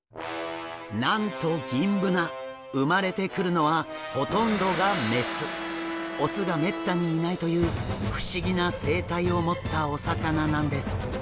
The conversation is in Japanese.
なんとギンブナ生まれてくるのは雄がめったにいないという不思議な生態を持ったお魚なんです。